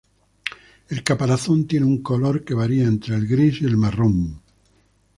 El caparazón tiene un color que varia entre el gris y el marrón.